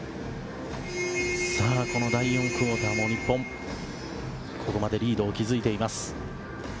この第４クオーターも日本、ここまでリードを築いています。